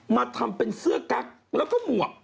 มาทำเป็นเสื้อกั๊กแล้วก็หมวก